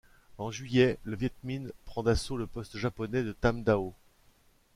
En juillet, le Việt Minh prend d'assaut le poste japonais de Tam Đảo.